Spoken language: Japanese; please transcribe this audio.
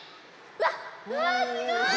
うわすごい！